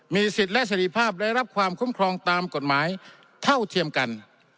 มีสิทธิ์และสรีภาพและรับความคุ้มครองตามกฎหมายเท่าเทียมกัน